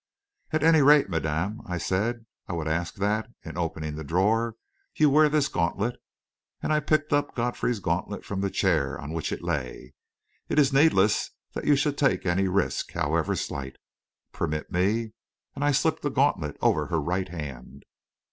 "At any rate, madame," I said, "I would ask that, in opening the drawer, you wear this gauntlet," and I picked up Godfrey's gauntlet from the chair on which it lay. "It is needless that you should take any risk, however slight. Permit me," and I slipped the gauntlet over her right hand.